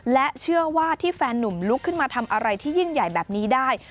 และเชื่อว่าที่แฟนหนุ่มลุกขึ้นมาทำอะไรที่ยิ่งใหญ่แบบนี้ได้